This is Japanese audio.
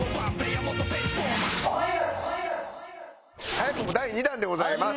早くも第２弾でございます。